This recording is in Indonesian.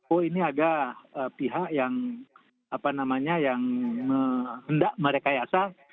oh ini ada pihak yang apa namanya yang hendak merekayasa